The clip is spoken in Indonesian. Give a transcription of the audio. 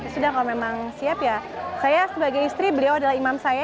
sudah kalau memang siap ya saya sebagai istri beliau adalah imam saya